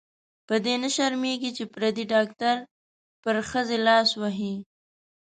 په دې نه شرمېږې چې پردې ډاکټر پر ښځې لاس وهي.